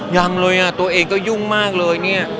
ยังเลยอ่ะตัวเองก็ยุ่งมากเลยเนี่ย